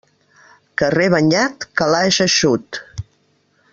Carrer banyat, calaix eixut.